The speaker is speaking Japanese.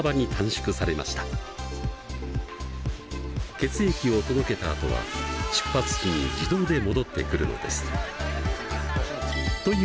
血液を届けたあとは出発地に自動で戻ってくるのです。